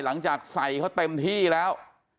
หลังจากใส่เขาเต็มที่แล้ว